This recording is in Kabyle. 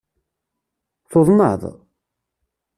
Tuḍneḍ?